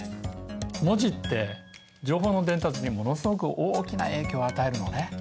文字って情報の伝達にものすごく大きな影響を与えるのね。